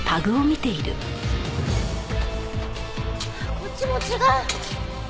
こっちも違う！